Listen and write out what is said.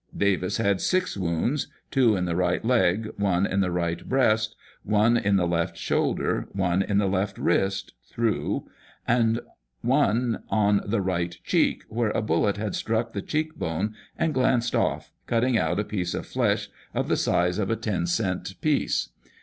Davis had six wounds, two in the right leg, one in the right breast, one in the left shoulder, one in the left wrist (through), and one on the right cheek, where a bullet had struck the cheekbone and glanced off, cutting out a piece of flesh of the size of a ten cent piece.